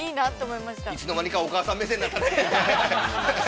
◆いつの間にか、お母さん目線になったね。